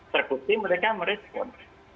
terbukti mereka merespon